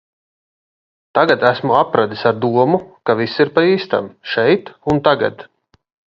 Tagad esmu apradis ar domu, ka viss ir pa īstam, šeit un tagad.